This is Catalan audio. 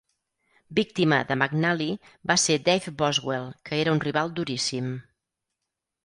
Víctima de McNally va ser Dave Boswell, que era un rival duríssim.